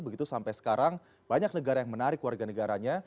begitu sampai sekarang banyak negara yang menarik warga negaranya